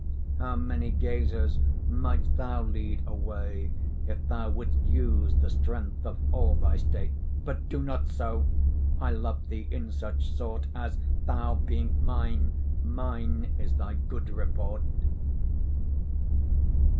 How many gazers mightst thou lead away, if thou wouldst use the strength of all thy state! But do not so; I love thee in such sort, As, thou being mine, mine is thy good report.